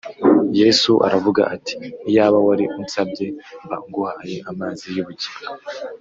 , Yesu aravuga ati, Iyaba wari unsabye, mba nguhaye amazi y’ubugingo